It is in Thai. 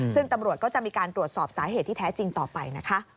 ซึ่งตำรวจก็จะมีการตรวจสอบสาเหตุที่แท้จริงต่อไปนะคะ